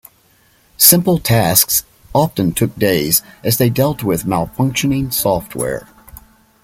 Simple tasks often took days as they dealt with malfunctioning software.